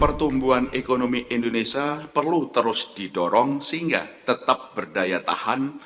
pertumbuhan ekonomi indonesia perlu terus didorong sehingga tetap berdaya tahan